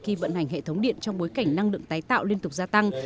khi vận hành hệ thống điện trong bối cảnh năng lượng tái tạo liên tục gia tăng